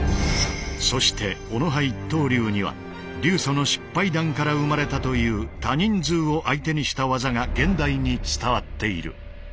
そして小野派一刀流には流祖の失敗談から生まれたという多人数を相手にした技が現代に伝わっている。